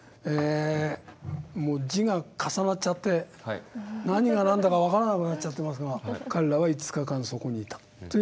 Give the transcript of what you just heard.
もう字が重なっちゃって何が何だか分からなくなってますが彼らは５日間そこにいたという。